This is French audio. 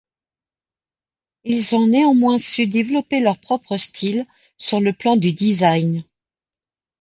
Ils ont néanmoins su développer leur propre style, sur le plan du design.